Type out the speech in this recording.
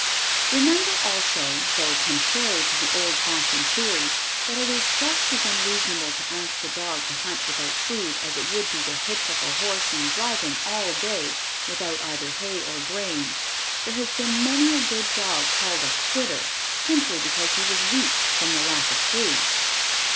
Remember also, though contrary to the old fashioned theory that it is just as unreasonable to ask a dog to hunt without food as it would be to hitch up a horse and drive him all day without either hay or grain, there has been many a good dog called a "quitter" simply because he was weak from the lack of food.